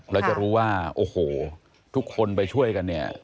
แล้วจะรู้ว่าโอ้โหทุกคนไปช่วยกันเนี่ย